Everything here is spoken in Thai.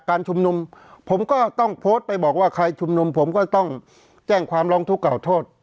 การชุมนุมผมก็ต้องโพสต์ไปบอกว่าใครชุมนุมผมก็ต้องแจ้งความร้องทุกข่าโทษ